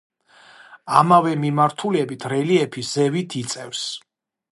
ამავე მიმართულებით რელიეფი ზევით იწევს.